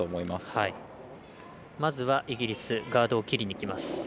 まずはイギリスガードを切りにきます。